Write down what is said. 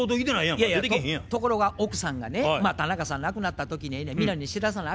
ところが奥さんがね田中さん亡くなった時にね皆に知らさなあ